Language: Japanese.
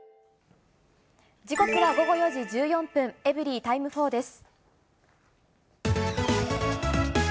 時刻は午後４時１４分、エブリィタイム４です。